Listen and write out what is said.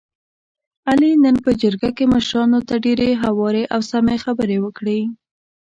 علي نن په جرګه کې مشرانو ته ډېرې هوارې او سمې خبرې وکړلې.